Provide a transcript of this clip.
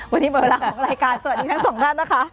วันนี้หมดเวลาของรายการสวัสดีทั้งสองท่านนะคะ